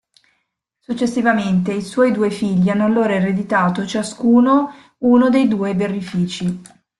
Successivamente, i suoi due figli hanno allora ereditato ciascuno uno dei due birrifici.